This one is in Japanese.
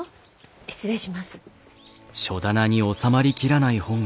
失礼します。